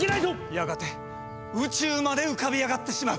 やがて宇宙まで浮かび上がってしまう。